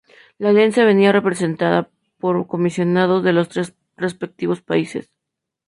La alianza venía representada por comisionados de los tres respectivos países.